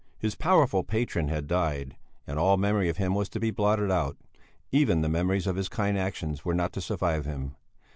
His powerful patron had died, and all memory of him was to be blotted out; even the memories of his kind actions were not to survive him.